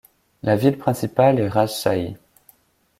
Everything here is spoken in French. La ville principale est Rajshahi.